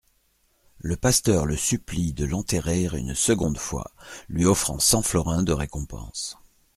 Le pasteur le supplie de l'enterrer une seconde fois, lui offrant cent florins de récompense.